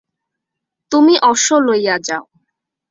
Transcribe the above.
তুমি অশ্ব লইয়া যাও।